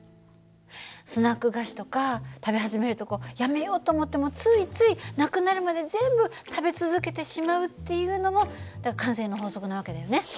スナック菓子とか食べ始めるとこうやめようと思ってもついついなくなるまで全部食べ続けてしまうっていうのも慣性の法則な訳だよね。